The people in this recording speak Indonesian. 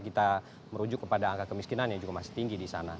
kita merujuk kepada angka kemiskinan yang juga masih tinggi di sana